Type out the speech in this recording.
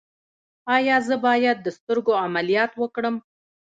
ایا زه باید د سترګو عملیات وکړم؟